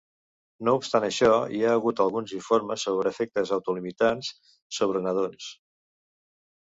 No obstant això, hi ha hagut alguns informes sobre efectes autolimitants sobre nadons.